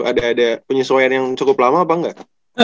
ada penyesuaian yang cukup lama apa enggak